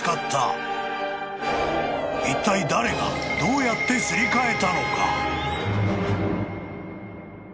［いったい誰がどうやってすり替えたのか］